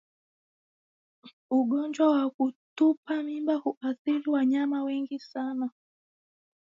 Ugonjwa wa kutupa mimba huathiri wanyama wengi sana